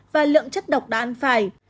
và lượng chất độc đã ăn phải